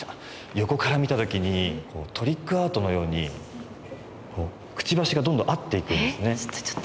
横から見た時にトリックアートのようにクチバシがどんどん合っていくんですね。